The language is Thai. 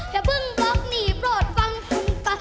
อย่าเพิ่งบล็อกหนีโปรดฟังภูมิต่อ